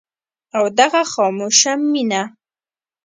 او دغه خاموشه مينه